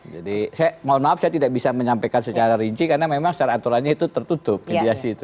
jadi saya mohon maaf saya tidak bisa menyampaikan secara rinci karena memang secara aturannya itu tertutup mediasi itu